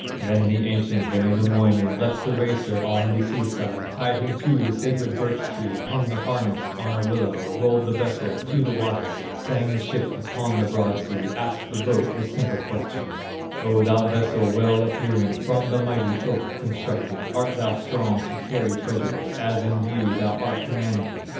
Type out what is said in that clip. Then the ancient Wainamoinen Left the racer on the sea side, Tied him to the sacred birch tree, Hung the harness on a willow, Rolled the vessel to the waters, Sang the ship upon the broad sea, Asked the boat this simple question: "O thou vessel, well appearing From the mighty oak constructed, Art thou strong to carry treasures As in view thou art commanding?"